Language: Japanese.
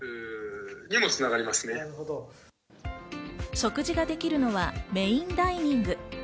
食事ができるのはメインダイニング。